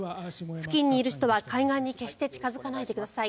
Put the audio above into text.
付近にいる人は海岸に近付かないでください。